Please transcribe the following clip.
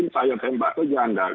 saya tembak saja anda